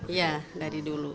iya dari dulu